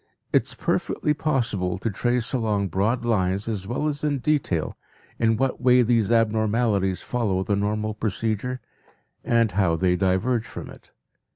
It is perfectly possible to trace along broad lines as well as in detail in what way these abnormalities follow the normal procedure and how they diverge from it.